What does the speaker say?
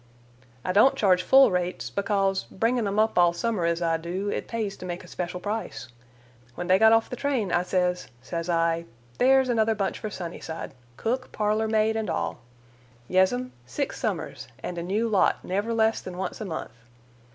"I don't charge full rates, because, bringin' 'em up all summer as I do, it pays to make a special price. When they got off the train, I sez, sez I, 'There's another bunch for Sunnyside, cook, parlor maid and all.' Yes'm—six summers, and a new lot never less than once a month.